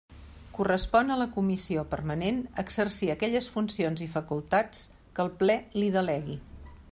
Correspon a la Comissió Permanent exercir aquelles funcions i facultats que el Ple li delegui.